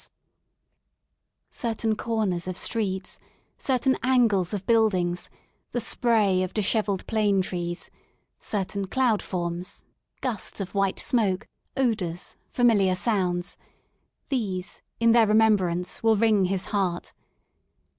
26 FROM A DISTANCE Certain corners of streets, certain angles of build ingSj the spray of dishevelled plane trees, certain cloud forms, gusts of white smoke, odours, familiar sounds^these, in their remembrance will wring his heart.